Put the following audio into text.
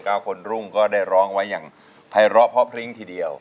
คนรุ่งก็ได้ร้องไว้อย่างภัยร้อเพราะพริ้งทีเดียว